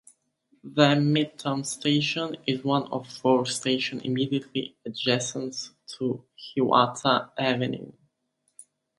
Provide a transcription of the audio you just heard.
The Midtown Station is one of four stations immediately adjacent to Hiawatha Avenue.